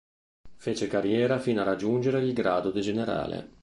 Fece carriera fino a raggiungere il grado di generale.